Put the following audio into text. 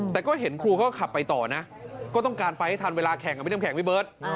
แต่ก็เห็นครูเขาก็ขับไปต่อนะก็ต้องการไปให้ทันเวลาแข่งกับพี่น้ำแข็งพี่เบิร์ต